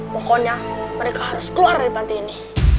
pokoknya mereka harus keluar dari panti ini